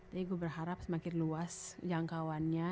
jadi gue berharap semakin luas jangkauannya